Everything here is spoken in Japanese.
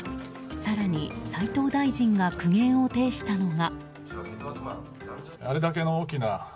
更に斎藤大臣が苦言を呈したのが。